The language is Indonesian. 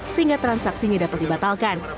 sehingga transaksinya dapat dibatalkan